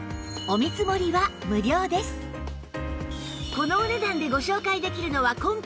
このお値段でご紹介できるのは今回が最後！